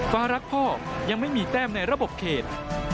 ฟ้ารักพ่อยังไม่มีแต้มในระบบเขต